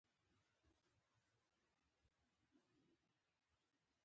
افغانستان د هلمند سیند په اړه علمي څېړنې لري.